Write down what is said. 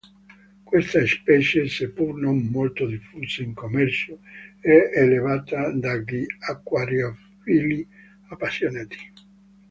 Questa specie, seppur non molto diffusa in commercio, è allevata dagli acquariofili appassionati.